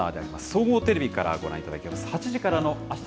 総合テレビからご覧いただきます。